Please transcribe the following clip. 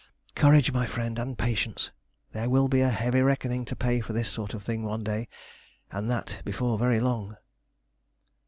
Courage, my friend, and patience! There will be a heavy reckoning to pay for this sort of thing one day, and that before very long."